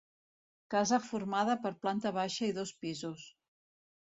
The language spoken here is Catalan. Casa formada per planta baixa i dos pisos.